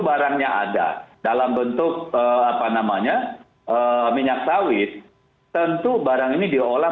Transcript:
barangnya ada dalam bentuk apa namanya minyak sawit tentu barang ini diolah